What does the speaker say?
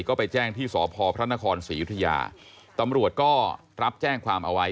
ก็ไปแจ้งที่สพพระนครศรียุธยาตำรวจก็รับแจ้งความเอาไว้